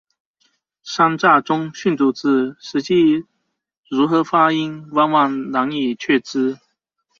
乡札中的训读字实际如何发音往往难以确知。